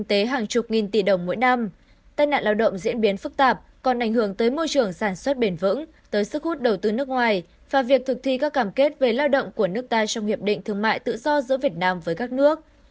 tài nạn lao động diễn biến phức tạp còn ảnh hưởng tới môi trường sản xuất bền vững tới sức hút đầu tư nước ngoài và việc thực thi các cảm kết về lao động của nước ta trong hiệp định thương mại tự do giữa việt nam với các nước